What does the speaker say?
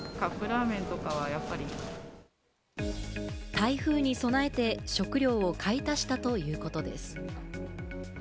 台風に備えて食料を買い足したということです。